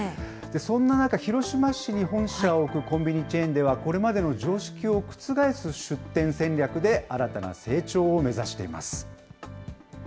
そんな中、広島市に本社を置くコンビニチェーンでは、これまでの常識を覆す出店戦略で、新たな成長を目指しています。